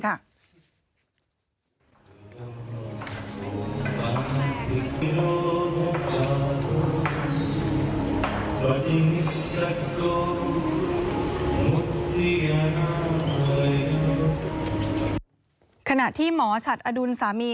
ขณะที่หมอฉัดอดุลสามี